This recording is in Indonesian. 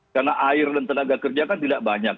karena air dan tenaga kerja kan tidak banyak